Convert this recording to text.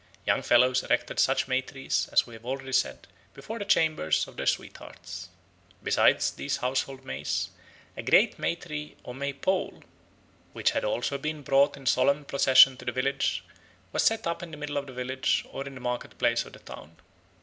Young fellows erected such May trees, as we have already said, before the chambers of their sweethearts. Besides these household Mays, a great May tree or May pole, which had also been brought in solemn procession to the village, was set up in the middle of the village or in the market place of the town.